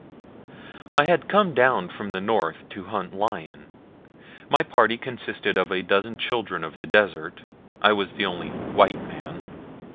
I had come down from the north to hunt lion. My party consisted of a dozen children of the desert I was the only "white" man.